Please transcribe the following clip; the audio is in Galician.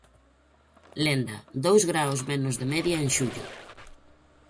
Lenda: Dous graos menos de media en xullo.